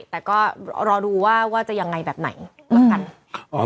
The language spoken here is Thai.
แต่ก็รอดูว่าจะยังไงแบบไหนแล้วกัน